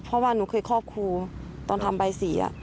เพราะว่าหนูเคยครอบครูตอนทำใบสี